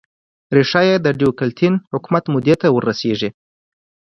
ریښه یې د ډیوکلتین حکومت مودې ته ور رسېږي